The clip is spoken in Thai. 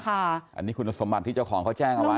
อันนี้คุณสมบัติที่เจ้าของเขาแจ้งเอาไว้